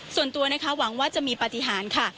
ส่วนตัวนะคะหวังว่าจะมีปฏิหารค่ะ